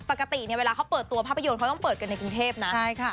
ปกติเนี่ยเวลาเขาเปิดตัวภาพยนตร์เขาต้องเปิดกันในกรุงเทพนะใช่ค่ะ